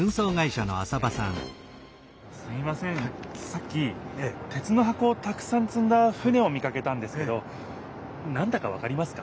さっき鉄の箱をたくさんつんだ船を見かけたんですけどなんだかわかりますか？